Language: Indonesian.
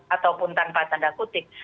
ataupun tanpa tanda kutip